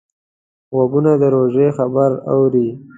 غوږونه د روژې خبر اوري